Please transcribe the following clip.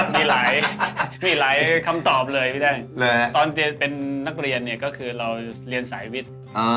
มีหลายคำตอบเลยพี่แดงตอนเรียนเป็นนักเรียนเนี่ยก็คือเราเรียนสายวิทย์